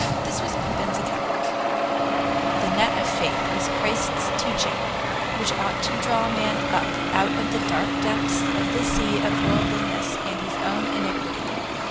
This was Pypin's account: "'The Net of Faith' is Christ's teaching, which ought to draw man up out of the dark depths of the sea of worldliness and his own iniquity.